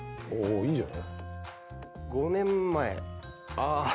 いいんじゃない？